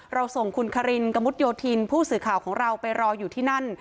ส่งคุณคารินกระมุดโยธินผู้สื่อข่าวของเราไปรออยู่ที่นั่น